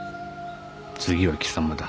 次は貴様だ。